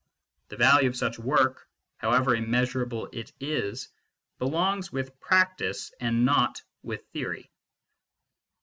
The value of such work, how ever immeasurable it is, belongs with practice and not with theory.